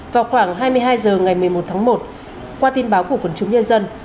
vào khoảng hai mươi hai h ngày một mươi một tháng một qua tin báo của quần chúng nhân dân